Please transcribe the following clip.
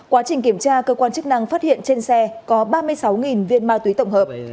quá trình kiểm tra cơ quan chức năng phát hiện trên xe có ba mươi sáu viên ma túy tổng hợp